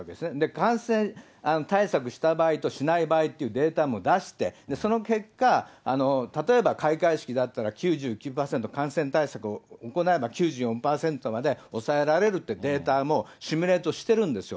感染対策した場合としない場合っていうデータも出して、その結果、例えば開会式だったら、９９％感染対策を行えば、９４％まで抑えられるっていうデータもシミュレートしてるんですよ。